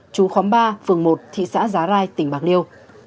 chú khóm ba phường một thị xã giá rai tỉnh bạc liêu